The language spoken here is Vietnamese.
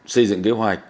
xây dựng kế hoạch